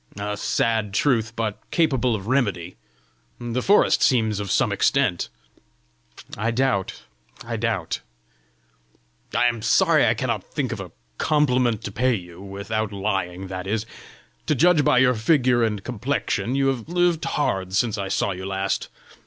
"A sad truth, but capable of remedy: the forest seems of some extent!" "I doubt! I doubt!" "I am sorry I cannot think of a compliment to pay you without lying, that is. To judge by your figure and complexion you have lived hard since I saw you last!